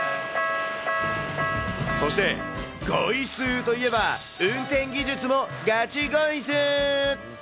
そして、ゴイスーといえば、運転技術もガチゴイスー。